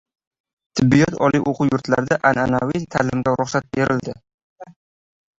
Tibbiyot oliy o‘quv yurtlarida an’anaviy ta’limga ruxsat berildi